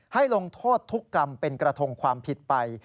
ให้ลงโทษทุกกรรมเป็นกระทงความผิดไป